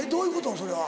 それは。